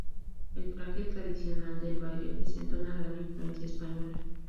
El traje tradicional del baile presenta una gran influencia española.